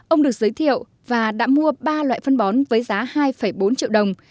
ông được giới thiệu và đã mua ba loại phân bón với giá hai bốn triệu đồng